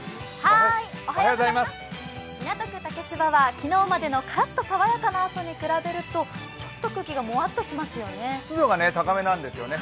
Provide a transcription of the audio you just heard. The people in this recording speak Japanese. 港区竹芝は昨日までのカラッと爽やかな朝に比べるとちょっと空気がもわっとしますよね。